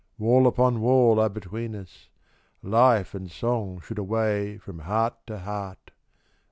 Wall upon wall are between us: life And song should away from heart to heart!